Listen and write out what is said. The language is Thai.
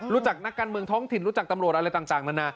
นักการเมืองท้องถิ่นรู้จักตำรวจอะไรต่างนานา